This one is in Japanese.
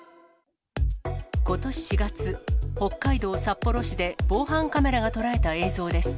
ことし４月、北海道札幌市で、防犯カメラが捉えた映像です。